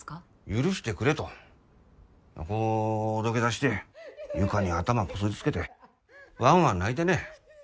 許してくれとこう土下座して床に頭こすりつけてわんわん泣いてね。